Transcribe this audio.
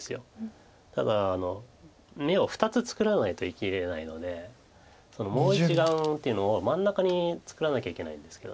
ただ眼を２つ作らないと生きれないのでもう１眼っていうのを真ん中に作らなきゃいけないんですけど。